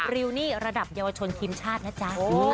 ริวนี่ระดับเยาวชนทีมชาตินะจ๊ะ